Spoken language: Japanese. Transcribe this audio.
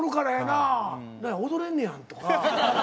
「なんや踊れんねやん」とか。